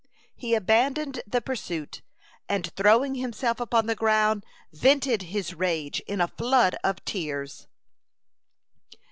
He abandoned the pursuit, and throwing himself upon the ground, vented his rage in a flood of tears.